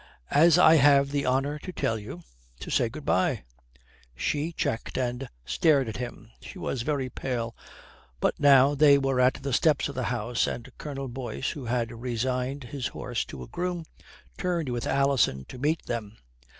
"As I have the honour to tell you to say good bye." She checked and stared at him. She was very pale. But now they were at the steps of the house, and Colonel Boyce, who had resigned his horse to a groom, turned with Alison to meet them.